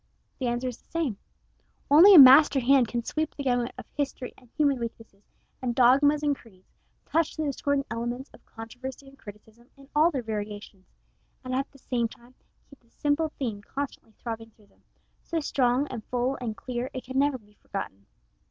The answer is the same. Only a master hand can sweep the gamut of history and human weaknesses and dogmas and creeds, touch the discordant elements of controversy and criticism in all their variations, and at the same time keep the simple theme constantly throbbing through them, so strong and full and clear it can never be forgotten.